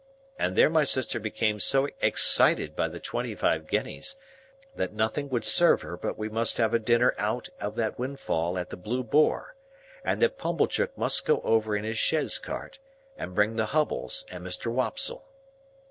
And there my sister became so excited by the twenty five guineas, that nothing would serve her but we must have a dinner out of that windfall at the Blue Boar, and that Pumblechook must go over in his chaise cart, and bring the Hubbles and Mr. Wopsle.